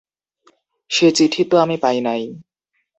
সে চিঠি তো আমি পাই নাই।